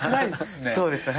そうですね。